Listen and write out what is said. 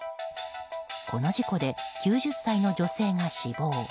この事故で９０歳の女性が死亡。